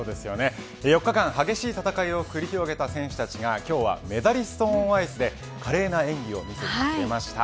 ４日間、激しい戦いを繰り広げた選手たちが今日はメダリスト・オン・アイスで華麗な演技を見せてくれました。